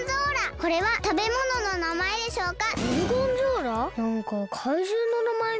これはたべものの名前でしょうか？